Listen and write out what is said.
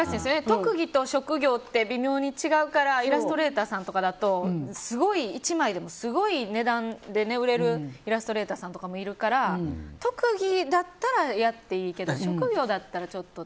特技と職業って微妙に違うからイラストレーターさんだと１枚でもすごい値段で売れるイラストレーターさんもいるから特技だったらやっていいけど職業だったらちょっと。